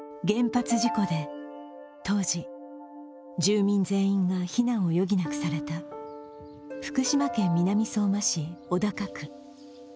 原発事故で当時、住民全員が避難を余儀なくされた福島県南相馬市小高区。